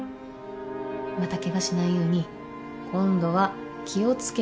またケガしないように今度は気を付けて遊んでね。